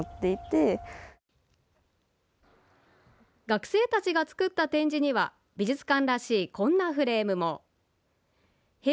学生たちが作った展示には美術館らしいこんなフレームも。